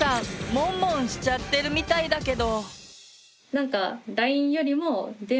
モンモンしちゃってるみたいだけど。